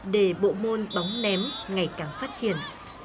để bộ môn bóng ném ngày càng phát triển